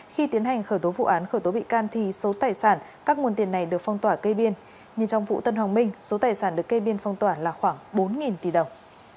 khi tiến hành khởi tố vụ án khởi tố bị can thì số tài sản các nguồn tiền này được phong tỏa cây biên nhưng trong vụ tân hoàng minh số tài sản được cây biên phong tỏa là khoảng bốn tỷ đồng